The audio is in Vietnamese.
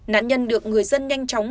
nạn nhân được người dân nhanh chóng